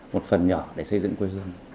một phần nhỏ để xây dựng quê hương